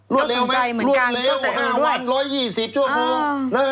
เร็วไหมรวดเร็ว๕วัน๑๒๐ชั่วโมง